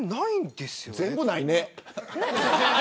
全部ないね。